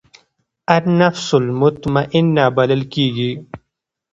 النفس المطمئنه بلل کېږي.